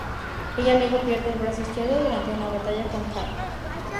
Ella luego pierde el brazo izquierdo durante una batalla con Kar.